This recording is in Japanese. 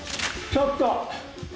ちょっと。